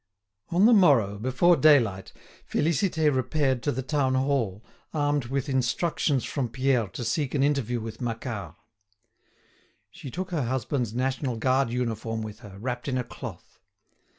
On the morrow, before daylight, Félicité repaired to the town hall, armed with instructions from Pierre to seek an interview with Macquart. She took her husband's national guard uniform with her, wrapped in a cloth.